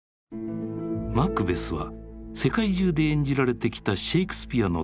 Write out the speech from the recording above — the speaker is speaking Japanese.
「マクベス」は世界中で演じられてきたシェイクスピアの代表作。